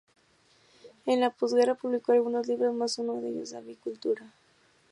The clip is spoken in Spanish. En la posguerra publicó algunos libros más, uno de ellos de avicultura.